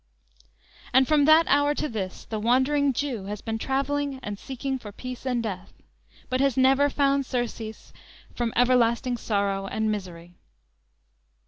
And from that hour to this the "Wandering Jew" has been traveling and seeking for peace and death, but has never found surcease from everlasting sorrow and misery.